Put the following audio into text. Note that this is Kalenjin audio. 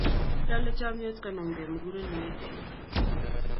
Lolei chomyet konamkei mugulelwek